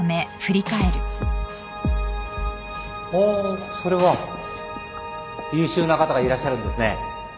ほうそれは優秀な方がいらっしゃるんですね。